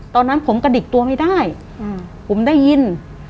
ตอนนั้นผมกระดิกตัวไม่ได้ผมได้ยิน